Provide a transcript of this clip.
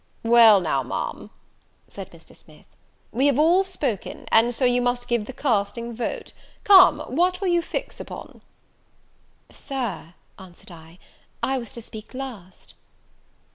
"Well now, Ma'am," said Mr. Smith, "we have all spoken, and so you must give the casting vote. Come, what will you fix upon?" "Sir," answered I, "I was to speak last."